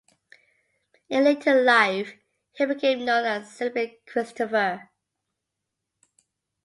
In later life, he became known as simply "Christopher".